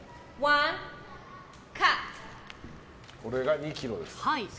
これが２ｋｇです。